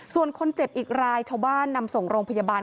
ส่วนคนเจ็บอีกรายชาวบ้านนำส่งโรงพยาบาล